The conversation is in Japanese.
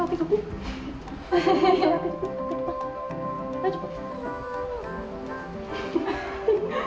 大丈夫？